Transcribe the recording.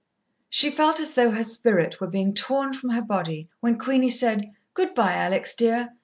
She felt as though her spirit were being torn from her body when Queenie said, "Good bye, Alex, dear.